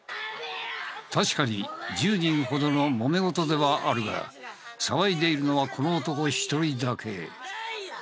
確かに１０人ほどのもめ事ではあるが騒いでいるのはこの男一人だけ。